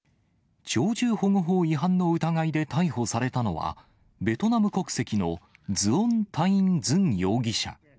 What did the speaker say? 鳥獣保護法違反の疑いで逮捕されたのは、ベトナム国籍のズオン・タィン・ズン容疑者。